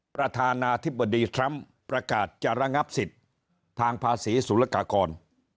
ประธานาธิบดีทรัมป์ประกาศจะระงับสิทธิ์ทางภาษีสุรกากร